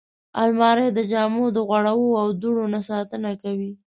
الماري د جامو د غوړو او دوړو نه ساتنه کوي